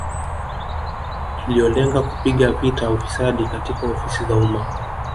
Iliyolenga kupiga vita ufisadi katika ofisi za umma